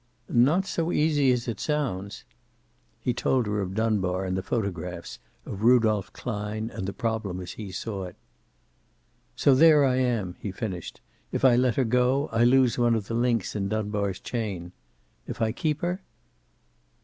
"Not so easy as it sounds." He told her of Dunbar and the photographs, of Rudolph Klein, and the problem as he saw it. "So there I am," he finished. "If I let her go, I lose one of the links in Dunbar's chain. If I keep her?"